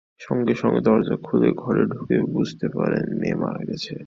সঙ্গে সঙ্গে দরজা খুলে ঘরে ঢুকে বুঝতে পারেন মেয়ে মারা গেছে।